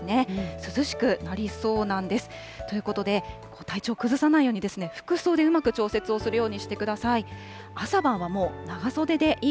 涼しくなりそうなんです。ということで、体調を崩さないように、服装でうまく調節をするようにしてください。